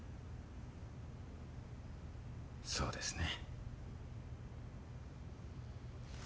そうですね。